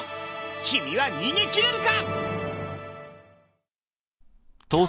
君は逃げ切れるか！？